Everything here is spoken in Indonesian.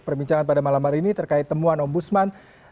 perbincangan pada malam hari ini terkait temuan om busman